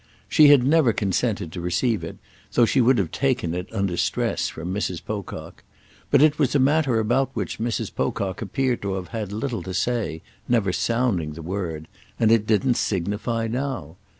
She had never consented to receive it, though she would have taken it, under stress, from Mrs. Pocock. But it was a matter about which Mrs. Pocock appeared to have had little to say—never sounding the word—and it didn't signify now.